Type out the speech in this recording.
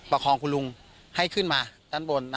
คองคุณลุงให้ขึ้นมาด้านบน